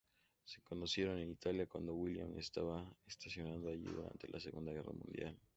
Se conocieron en Italia, cuando William estaba estacionado allí durante la Segunda Guerra Mundial.